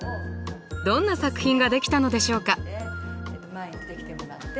どんな作品が出来たのでしょうか。